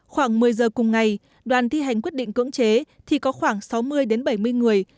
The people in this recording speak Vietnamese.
khoảng một mươi giờ cùng ngày đoàn thi hành quyết định cưỡng chế thì có khoảng sáu mươi đến bảy mươi người